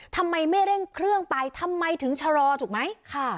ทำไมไม่เร่งเครื่องไปทำไมถึงชะลอถูกไหมค่ะ